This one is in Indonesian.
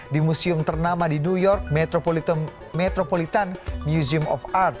di museum ternama di new york metropolitan museum of art